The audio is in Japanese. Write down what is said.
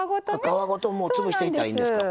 皮ごと潰していったらいいんですか。